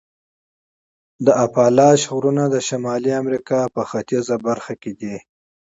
د اپالاش غرونه د شمالي امریکا په ختیځه برخه کې دي.